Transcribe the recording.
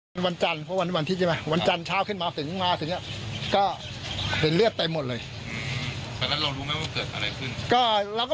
ซึ่งกล้องมันเสียปนนั่ังไงมีอะไรอยู่